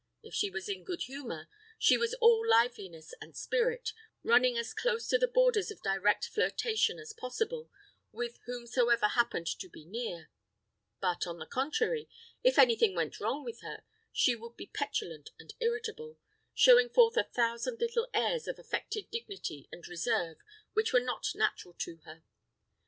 If she was in good humour, she was all liveliness and spirit, running as close to the borders of direct flirtation as possible with whomsoever happened to be near; but, on the contrary, if anything went wrong with her, she would be petulant and irritable, showing forth a thousand little airs of affected dignity and reserve which were not natural to her.